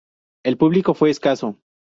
El público fue escaso.